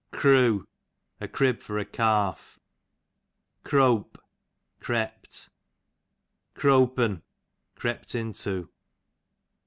Croo, a' crib for a calf. Crope, crept. Crop'n, crept into.